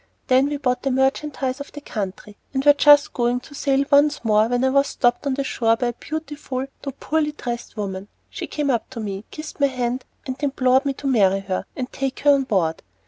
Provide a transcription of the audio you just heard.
Then we bought the merchandise of the country, and were just going to sail once more, when I was stopped on the shore by a beautiful though poorly dressed woman. She came up to me, kissed my hand, and implored me to marry her, and take her on board.